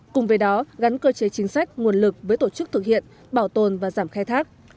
cùng với đó gắn cơ chế chính sách nguồn lực với tổ chức thực hiện bảo tồn và giảm khai thác